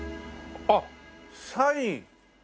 あっサイン。